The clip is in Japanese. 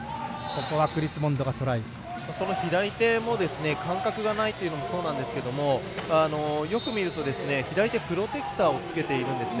左手も感覚がないというのもそうなんですけれどもよく見ると、左手プロテクターを着けているんですね。